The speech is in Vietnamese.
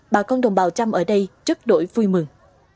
bà con đồng bào trăm ở đây rất đổi vui mừng